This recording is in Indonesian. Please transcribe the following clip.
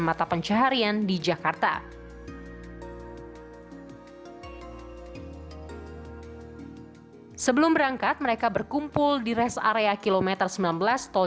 jika tidak mereka akan dihubungi dengan penumpang yang menerima pengalaman tersebut